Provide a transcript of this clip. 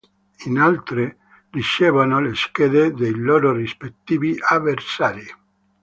Inoltre, ricevono le schede dei loro rispettivi avversari.